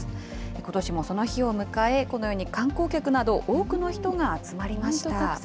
ことしもその日を迎え、このように観光客など、多くの人が集まりました。